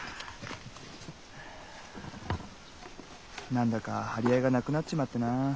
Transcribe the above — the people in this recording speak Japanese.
何だか張り合いがなくなっちまってなぁ。